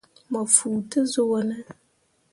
Mo fuu te zuu wo ne ?